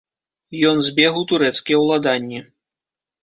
Ён збег у турэцкія ўладанні.